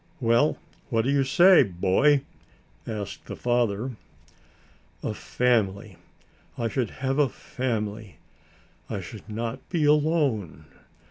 "Well, what do you say, boy?" asked the father. A family! I should have a family. I should not be alone.